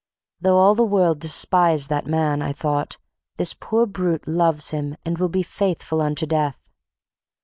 Though all the world despise that man, I thought, this poor brute loves him and will be faithful unto death.